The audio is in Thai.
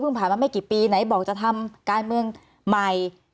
ผ่านมาไม่กี่ปีไหนบอกจะทำการเมืองใหม่